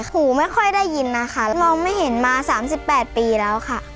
หูไม่ค่อยได้ยินนะคะมองไม่เห็นมา๓๘ปีแล้วค่ะ